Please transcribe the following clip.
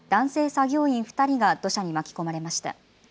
作業員２人が土砂に巻き込まれました。